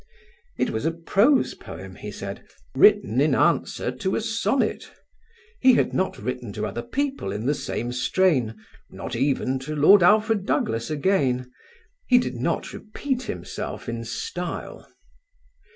It was a prose poem, he said, written in answer to a sonnet. He had not written to other people in the same strain, not even to Lord Alfred Douglas again: he did not repeat himself in style.